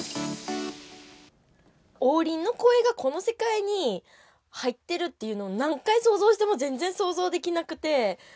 王林の声がこの世界に入ってるっていうのを、何回想像しても、全然想像できなくて。